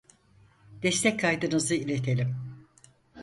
Destek kaydınızı iletelim